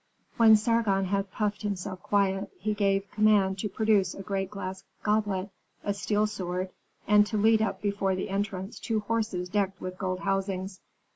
When Sargon had puffed himself quiet, he gave command to produce a great glass goblet, a steel sword, and to lead up before the entrance two horses decked with gold housings.